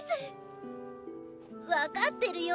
分かってるよ